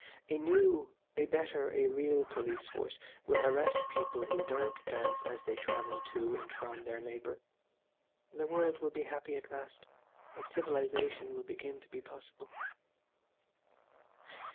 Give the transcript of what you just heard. A new, a better, a real police force will arrest people who don't dance as they travel to and from their labour. The world will be happy at last, and civilisation will begin to be possible."